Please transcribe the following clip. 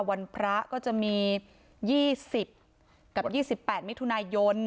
วันพระก็จะมี๒๐กับ๒๘มิถุนายน